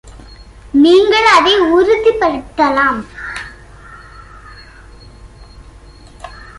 நீங்கள் அதை உறுதிப்படுத்தலாம்.